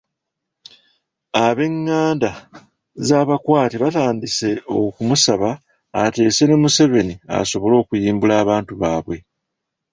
Abenganda z'abakwate batandise okumusaba ateese ne Museveni asobole okuyimbula abantu baabwe.